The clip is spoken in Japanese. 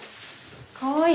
かわいい。